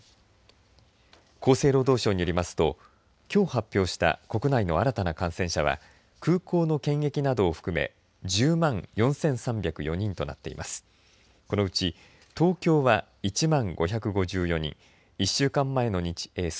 厚生労働省によりますときょう発表した国内の新たな感染者は空港の検疫などを含め１０万４３０４人となっています。